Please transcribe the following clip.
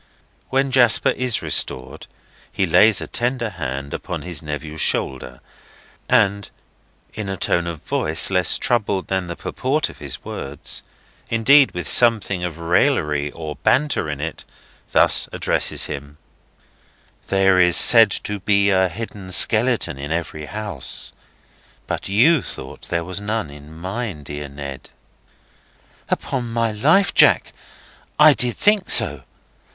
When Jasper is restored, he lays a tender hand upon his nephew's shoulder, and, in a tone of voice less troubled than the purport of his words—indeed with something of raillery or banter in it—thus addresses him: "There is said to be a hidden skeleton in every house; but you thought there was none in mine, dear Ned." "Upon my life, Jack, I did think so.